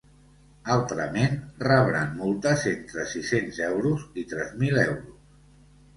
Altrament, rebran multes entre sis-cents euros i tres mil euros.